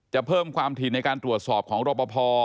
เพิ่มความถี่ในการตรวจสอบของรอปภ